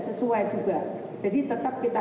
sesuai juga jadi tetap kita